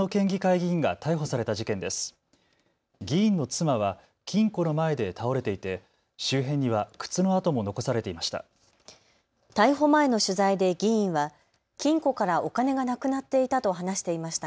議員の妻は金庫の前で倒れていて周辺には靴の跡も残されていました。